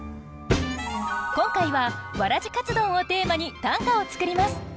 今回は「わらじかつ丼」をテーマに短歌を作ります。